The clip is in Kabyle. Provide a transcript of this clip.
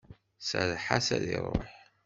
Serreḥ-as ad iruḥ!